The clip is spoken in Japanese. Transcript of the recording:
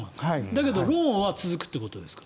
だけどローンは続くということですか。